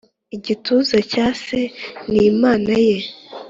igituza cya se n'imana ye.